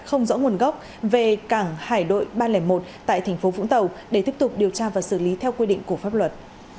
không rõ nguồn gốc về cảng hải đội ba trăm linh một tại thành phố vũng tàu để tiếp tục điều tra và xử lý theo quy định của pháp luật